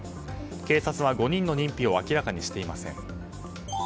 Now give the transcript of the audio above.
警察は５人の認否を明らかにしていません。